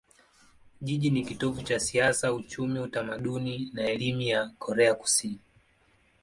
Jiji ni kitovu cha siasa, uchumi, utamaduni na elimu ya Korea Kusini.